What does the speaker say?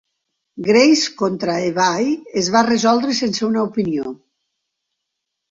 Grace contra eBay es va resoldre sense una opinió.